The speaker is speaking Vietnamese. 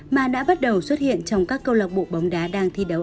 mà đã bắt đầu xuất hiện trong các câu lạc bộ bóng đá đang thi đấu